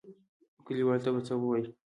کليوالو ته به څه وايو.